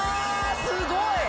すごい！